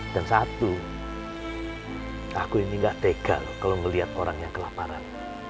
dan satu aku ini tidak tega kalau melihat orang yang kelaparan